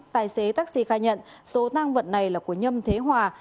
tài xế taxi khai nhận số tang vật này là của nhâm thế hòa